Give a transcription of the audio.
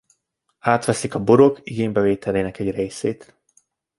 Átveszik a burok igénybevételének egy részét.